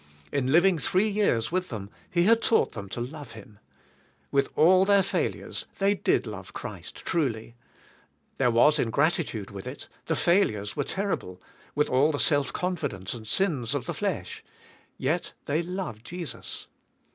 In living three years with 82 THK SPIRITUAL I.IFK. them, He had taug ht them to love Him. With all their failures, they did love Christ truly. There was ingratitude with it; the failures were terrible, with all the self confidence and sins of the flesh; yet they loved Jesus.